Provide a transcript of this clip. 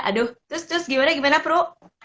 aduh terus gimana gimana fru